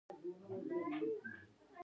ایا ستاسو سبا ته امید شته؟